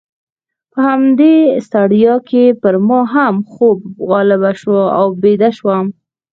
په همدې ستړیا کې پر ما هم خوب غالبه شو او بیده شوم.